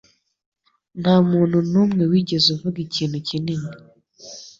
Ntamuntu numwe wigeze avuga ikintu kinini.